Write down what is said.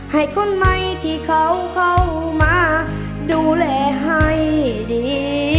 ให้คนใหม่ที่เขาเข้ามาดูแลให้ดี